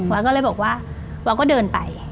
ก็เลยบอกว่าวอก็เดินไป